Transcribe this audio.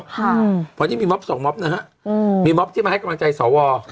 ค่ะวันนี้มีม็อบสองม็อบนะฮะอืมมีมอบที่มาให้กำลังใจสว